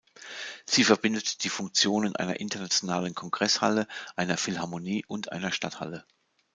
Sie verbindet die Funktionen einer internationalen Kongresshalle, einer Philharmonie und einer Stadthalle.